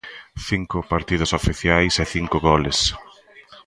Cinco partidos oficiais e cinco goles.